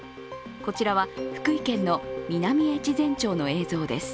こちらは福井県の南越前町の映像です。